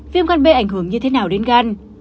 viêm gan b ảnh hưởng như thế nào đến gan